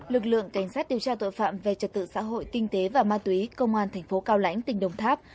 lực lượng cảnh sát điều tra tội phạm về trật tự xã hội kinh tế và ma túy công an thành phố cao lãnh tỉnh đồng tháp